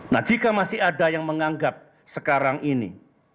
nah jika masih ada yang menganggap sekarang ini